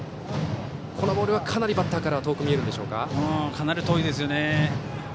このボールはかなりバッターから遠く見えるでしょうか。